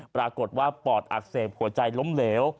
ปรากฏว่าปอดอักเสบหัวใจล้มเหลว